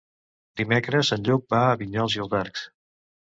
Dimecres en Lluc va a Vinyols i els Arcs.